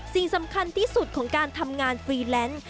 สิ่งสำคัญที่สุดของการทำงานฟรีแลนซ์